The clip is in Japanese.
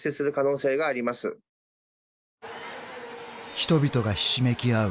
［人々がひしめき合う